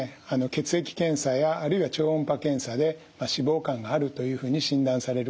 血液検査やあるいは超音波検査で脂肪肝があるというふうに診断されることはよくあると思います。